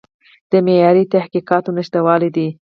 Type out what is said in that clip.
د معیاري تحقیقاتو نشتوالی دی.